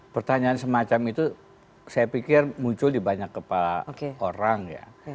pertanyaan semacam itu saya pikir muncul di banyak kepala orang ya